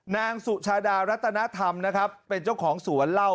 นางสุชาดารัตนธรรมเป็นเจ้าของสวรรค์เล่า